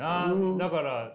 だから。